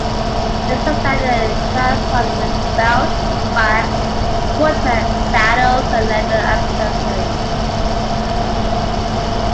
It supplied the tsarist army with belts, bags, footwear, saddles and leather accessories.